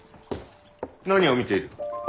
何を見ている？